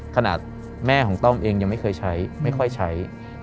ขนาดแม่ของต้อมเองยังไม่เคยใช้ไม่ค่อยใช้